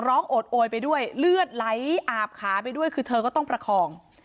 โอดโอยไปด้วยเลือดไหลอาบขาไปด้วยคือเธอก็ต้องประคอง